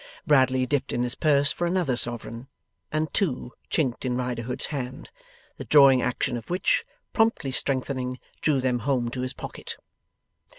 Bradley dipped in his purse for another sovereign, and two chinked in Riderhood's hand, the drawing action of which, promptly strengthening, drew them home to his pocket.